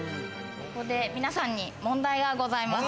ここで皆さんに問題がございます。